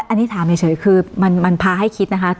อันนี้ถามเฉยคือมันพาให้คิดนะคะ